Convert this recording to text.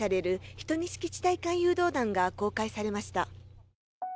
１２式地対艦誘導弾が公開されました。